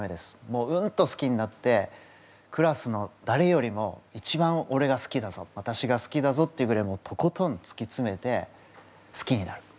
もううんと好きになってクラスのだれよりも一番俺が好きだぞわたしが好きだぞっていうぐらいとことんつきつめて好きになる。